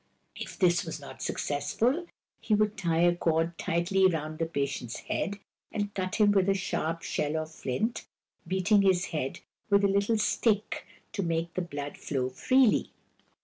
If this were not successful, he would tie a cord tightly round the patient's head, and cut him with a sharp shell or flint, beating his head with a little stick to make the blood flow freely.